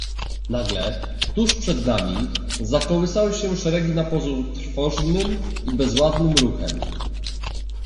"Nagle, tuż przed nami, zakołysały się szeregi na pozór trwożnym i bezładnym ruchem."